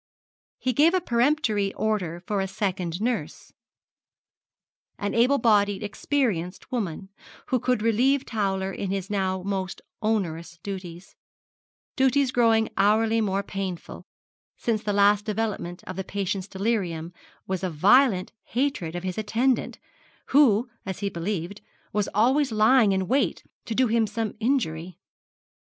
He gave a peremptory order for a second nurse, an able bodied experienced woman, who could relieve Towler in his now most onerous duties duties growing hourly more painful, since the last development of the patient's delirium was a violent hatred of his attendant, who, as he believed, was always lying in wait to do him some injury.